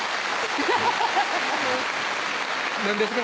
何ですか？